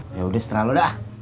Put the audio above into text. yaudah seterah lo dah